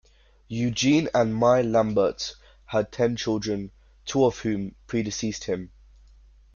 Eugene and Mai Lambert had ten children two of whom predeceased him.